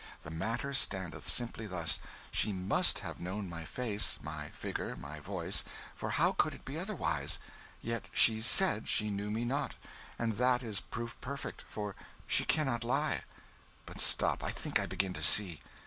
The matter standeth simply thus: she must have known my face, my figure, my voice, for how could it be otherwise? Yet she __said_ _she knew me not, and that is proof perfect, for she cannot lie. But stop I think I begin to see.